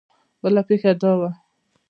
بله پېښه دا وه.